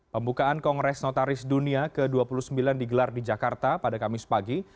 pembukaan kongres notaris dunia ke dua puluh sembilan digelar di jakarta pada kamis pagi